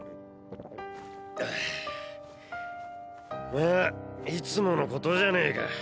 まぁいつものことじゃねえか。